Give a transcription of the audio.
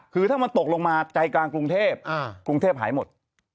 คือถ้ามันตกลงมาใจกลางกรุงเทพกรุงเทพหายหมด